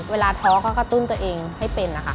ท้อก็กระตุ้นตัวเองให้เป็นนะคะ